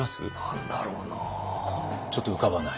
何だろうな。